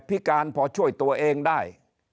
พิการพอช่วยตัวเองได้